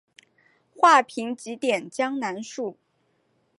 画屏几点江南树。